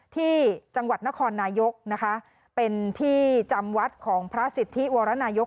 ที่จังหวัดนครนายกนะคะเป็นที่จำวัดของพระสิทธิวรนายก